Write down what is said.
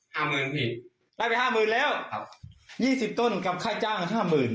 หมื่นพี่ได้ไปห้าหมื่นแล้วครับยี่สิบต้นกับค่าจ้างห้าหมื่น